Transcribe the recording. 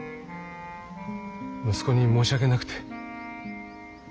息子に申し訳なくて。